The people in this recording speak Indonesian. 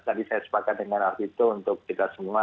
tadi saya sepakat dengan alvito untuk kita semua